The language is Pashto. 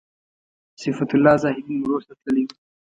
صفت الله زاهدي نیمروز ته تللی و.